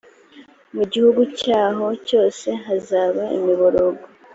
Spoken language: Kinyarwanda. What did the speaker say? mu gihugu cyaho cyose hazaba imiborogo